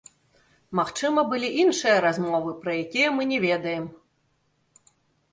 Магчыма, былі іншыя размовы, пра якія мы не ведаем.